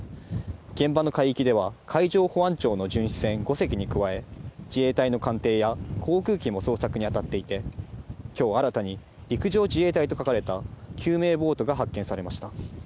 現場の海域では海上保安庁の巡視船５隻に加え、自衛隊の艦艇や、航空機も捜索に当たっていて、きょう新たに陸上自衛隊と書かれた救命ボートが発見されました。